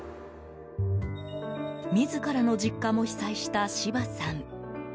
自らの実家も被災した芝さん。